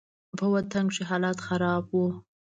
په وطن کښې حالات خراب وو.